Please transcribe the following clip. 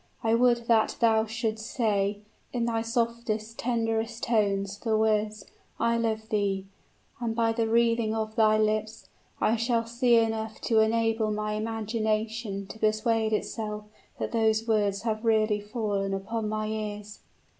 I would that thou shouldst say, in thy softest, tenderest tones, the words 'I love thee!' and, by the wreathing of thy lips, I shall see enough to enable my imagination to persuade itself that those words have really fallen upon my ears."